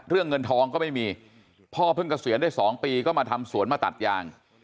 เงินทองก็ไม่มีพ่อเพิ่งเกษียณได้๒ปีก็มาทำสวนมาตัดยาง